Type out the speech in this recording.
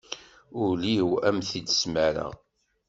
Ul-iw am t-id-smireɣ.